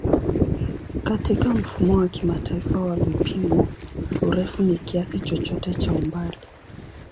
Katika Mfumo wa Kimataifa wa Vipimo, urefu ni kiasi chochote cha umbali.